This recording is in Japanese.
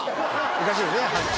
おかしいですよね？